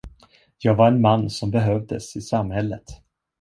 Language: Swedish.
Jag var en man som behövdes i samhället.